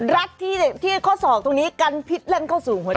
รัดที่ข้อศอกตรงนี้กันพิษแล่นเข้าสู่หัว